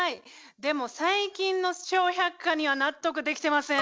でも最近の「笑百科」には納得できてません。